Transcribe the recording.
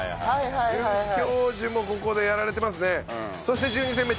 准教授もここでやられていますね。